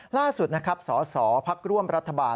ล่าสุดนะครับสสพักร่วมรัฐบาล